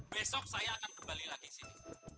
besok saya akan kembali lagi sini